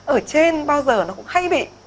ở trên bao giờ nó cũng hay bị